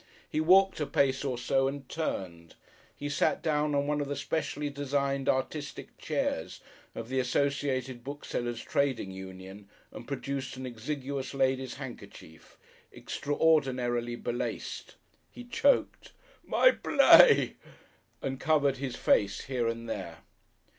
He walked a pace or so and turned. He sat down on one of the specially designed artistic chairs of the Associated Booksellers' Trading Union and produced an exiguous lady's handkerchief, extraordinarily belaced. He choked. "My play," and covered his face here and there.